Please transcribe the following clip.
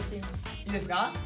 いいですか？